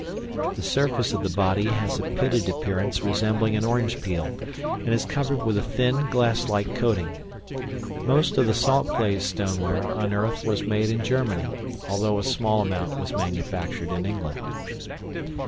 The surface of the body has a pitted appearance resembling an orange peel, and is covered with a thin, glasslike coating. Most of the salt glazed stoneware unearthed was made in Germany, although a small amount was manufactured in England.